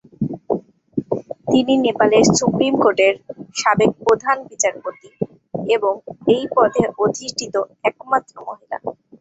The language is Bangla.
তিনি নেপালের সুপ্রিম কোর্ট এর সাবেক প্রধান বিচারপতি এবং এই পদে অধিষ্ঠিত একমাত্র মহিলা।